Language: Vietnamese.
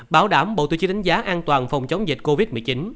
bảo đảm bộ tiêu chí đánh giá an toàn phòng chống dịch covid một mươi chín